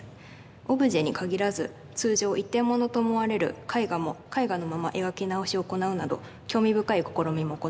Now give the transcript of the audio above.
オブジェに限らず通常一点物と思われる絵画も絵画のまま描き直しを行うなど興味深い試みも行っています。